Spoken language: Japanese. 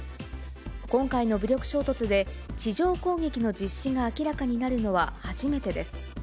今回の武力衝突で、地上攻撃の実施が明らかになるのは初めてです。